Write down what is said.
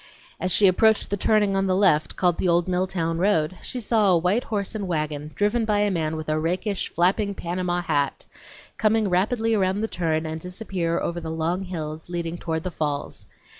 As she approached the turning on the left called the old Milltown road, she saw a white horse and wagon, driven by a man with a rakish, flapping, Panama hat, come rapidly around the turn and disappear over the long hills leading down to the falls.